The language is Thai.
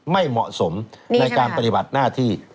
ไม่เหมาะสมในการปฏิบัติหน้าที่